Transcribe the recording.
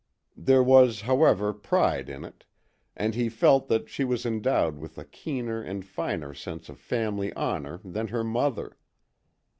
There was, however, pride in it, and he felt that she was endowed with a keener and finer sense of family honour than her mother.